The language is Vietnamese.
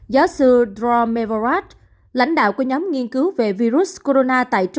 giáo sư dron mevorat lãnh đạo của nhóm nghiên cứu về virus corona